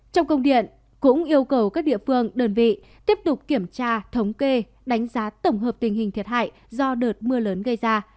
trong công điện cũng yêu cầu các địa phương đơn vị tiếp tục kiểm tra thống kê đánh giá tổng hợp tình hình thiệt hại do đợt mưa lớn gây ra